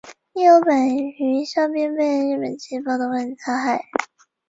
印度薹草为莎草科薹草属的植物。